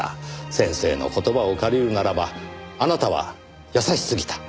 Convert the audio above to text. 先生の言葉を借りるならばあなたは優しすぎた。